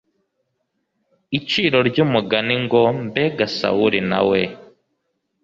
iciro ry umugani ngo Mbega Sawuli na we